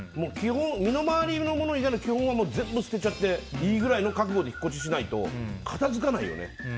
身の回りのものは基本は全部捨てちゃっていいぐらいの覚悟で引っ越ししないと片付かないよね。